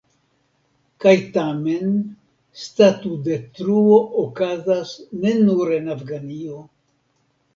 Kaj tamen, statudetruo okazas ne nur en Afganio.